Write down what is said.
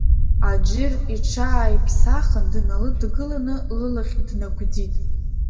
Аџыр иҽааиԥсахын, дналыдгылан лылахь днагәӡит.